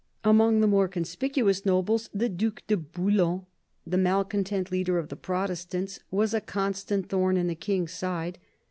Among the more conspicuous nobles, the Due de Bouillon, the malcontent leader of the Protestants, was a constant thorn in the King's side.